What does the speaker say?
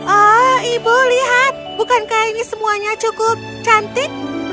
oh ibu lihat bukankah ini semuanya cukup cantik